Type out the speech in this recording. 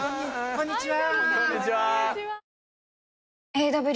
こんにちは。